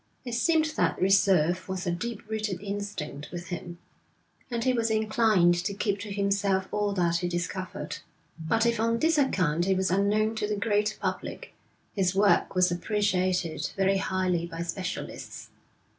It seemed that reserve was a deep rooted instinct with him, and he was inclined to keep to himself all that he discovered. But if on this account he was unknown to the great public, his work was appreciated very highly by specialists.